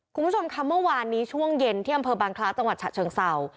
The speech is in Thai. คุณผู้ชมค่ะเมื่อวานนี้ช่วงเย็นที่อำเภอบางคล้าจังหวัดฉะเชิงเศร้า